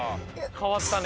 かわったね。